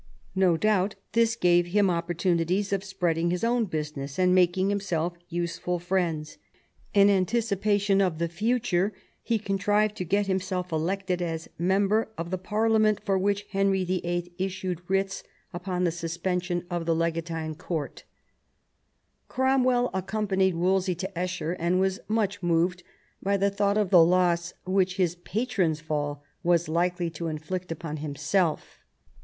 No doubt this gave him opportunities of spreading his own busi ness, and making himself useful friends. In anticipa tion of the future he contrived to get himself elected as member of the Parliament for which Henry VHL issued writs upon the suspension of the legatine court 3 THE FALL OF WOLSEY 189 Cromwell accompanied Wolsey to Esher, and was much moved by the thought of the loss which his patron's fall was likely to inflict upon himself.